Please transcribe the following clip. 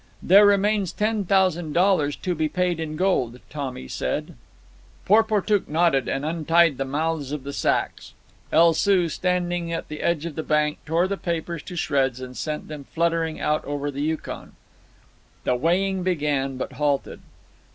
"There remains ten thousand dollars to be paid in gold," Tommy said. Porportuk nodded, and untied the mouths of the sacks. El Soo, standing at the edge of the bank, tore the papers to shreds and sent them fluttering out over the Yukon. The weighing began, but halted.